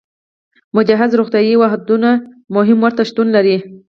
مجهز روغتیايي واحدونه هم ورته شتون لري.